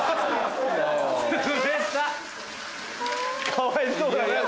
かわいそうだな野田。